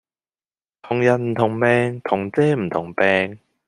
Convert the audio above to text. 同人唔同命同遮唔同柄